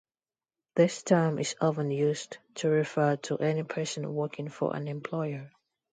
This term is often used to refer to any person working for an employer.